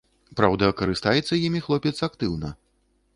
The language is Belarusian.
Праўда, карыстаецца імі хлопец актыўна.